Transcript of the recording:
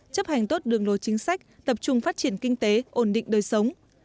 chấp hành tốt đường lối chính sách tập trung phát triển kinh tế ổn định đời sống